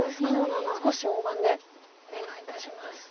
少し大盤でお願いいたします。